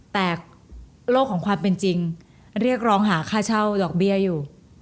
แต่โลกของความเป็นจริงเรียกร้องหาค่าเช่าดอกเบี้ยอยู่